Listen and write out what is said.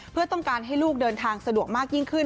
เพื่อต้องการให้ลูกเดินทางสะดวกมากยิ่งขึ้น